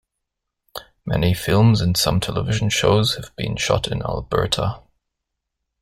Many films and some television shows have been shot in Alberta.